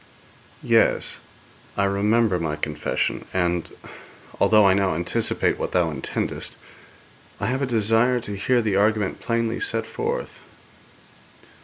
'Yes; I remember my confession, and, although I now anticipate what thou intendest, I have a desire to hear the argument plainly set forth.'